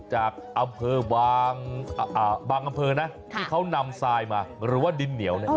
จากอำเภอบางอำเภอนะที่เขานำทรายมาหรือว่าดินเหนียว